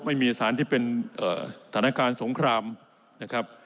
ไม่มีสารที่เป็นสถานการณ์สงครามนะครับ